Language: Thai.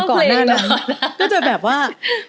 ก็จะแบบว่า